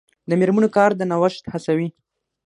د میرمنو کار د نوښت هڅوي.